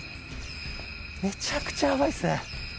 めちゃくちゃヤバいっすね